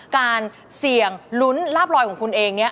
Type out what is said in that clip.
การเสี่ยงลุ้นลาบลอยของคุณเองเนี่ย